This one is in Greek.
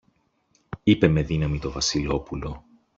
είπε με δύναμη το Βασιλόπουλο.